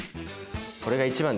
これが一番です！